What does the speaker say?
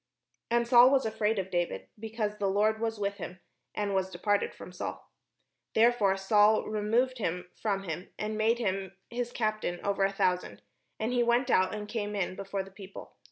And Saul was afraid of David, because the Lord was with him, and was departed from Saul. Therefore Saul removed him from him, and made him his captain over a thousand; and he went out and came in before the people.